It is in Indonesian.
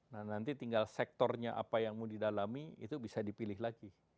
nah nanti tinggal sektornya apa yang mau didalami itu bisa dipilih lagi